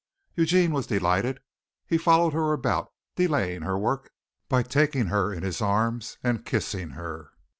Eugene was delighted. He followed her about, delaying her work by taking her in his arms and kissing her.